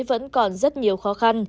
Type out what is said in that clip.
vẫn còn rất nhiều khó khăn